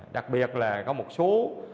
đặc biệt là có một số